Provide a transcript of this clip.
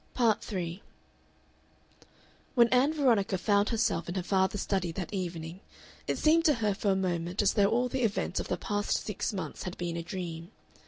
Part 3 When Ann Veronica found herself in her father's study that evening it seemed to her for a moment as though all the events of the past six months had been a dream.